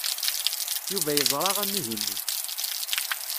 Yuba yeẓra amihi-nni.